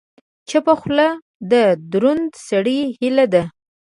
چپه خوله، د دروند سړي هیله ده.